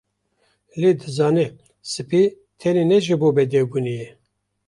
Lê dizanê spî tenê ne ji bo bedewbûnê ye